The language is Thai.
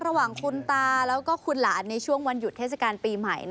ระหว่างคุณตาแล้วก็คุณหลานในช่วงวันหยุดเทศกาลปีใหม่